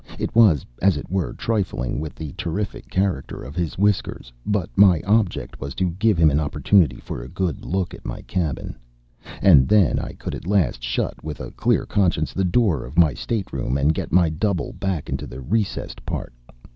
It was, as it were, trifling with the terrific character of his whiskers; but my object was to give him an opportunity for a good look at my cabin. And then I could at last shut, with a clear conscience, the door of my stateroom and get my double back into the recessed part.